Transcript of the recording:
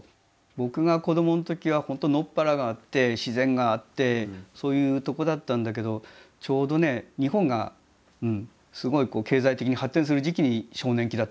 僕が子どものときは本当野っ原があって自然があってそういうとこだったんだけどちょうどね日本がすごい経済的に発展する時期に少年期だったのね。